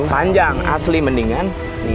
panjang asli mendingan